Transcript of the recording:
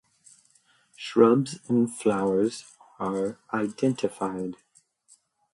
Shrubs and flowers are identified.